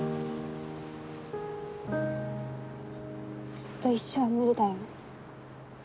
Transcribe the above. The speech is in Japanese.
ずっと一緒は無理だよ。